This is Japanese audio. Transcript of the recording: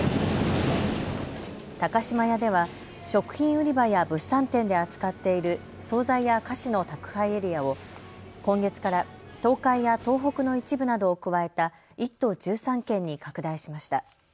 高島屋では食品売り場や物産展で扱っている総菜や菓子の宅配エリアを今月から東海や東北の一部などを加えた１都１３県に拡大しました。